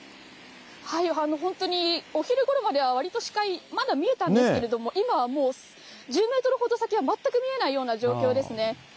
本当にお昼ごろまではわりと視界、まだ見えたんですけれども、今はもう１０メートルほど先は全く見えないような状況ですね。